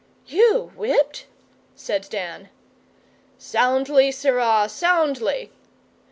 'You whipped?' said Dan. 'Soundly, sirrah, soundly!